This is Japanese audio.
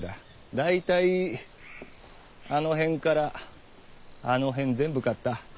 大体あの辺からあの辺全部買った。